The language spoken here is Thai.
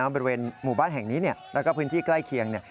บริเวณหมู่บ้านแห่งนี้แล้วก็พื้นที่ใกล้เคียง